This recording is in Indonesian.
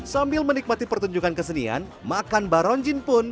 sambil menikmati pertunjukan kesenian makan baronjin pun